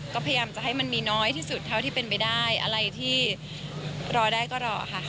ก็พยายามจะให้มันมีน้อยที่สุดเท่าที่เป็นไปได้อะไรที่รอได้ก็รอค่ะ